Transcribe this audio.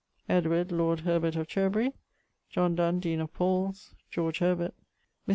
Edward, lord Herbert of Cherbery. John Dun, dean of Paul's. George Herbert. Mr.